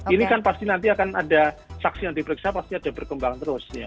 ini kan pasti nanti akan ada saksi yang diperiksa pasti ada berkembang terus ya